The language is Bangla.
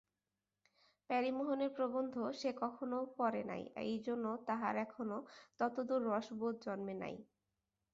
প্যারীমোহনের প্রবন্ধ সে কখনো পড়ে নাই এই জন্য তাহার এখনও ততদূর রসবোধ জন্মে নাই।